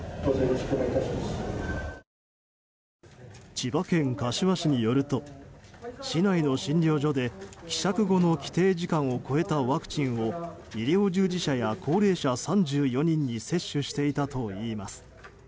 千葉県柏市によると市内の診療所で希釈後の規定時間を超えたワクチンを医療従事者や高齢者３４人に接種していたといいます。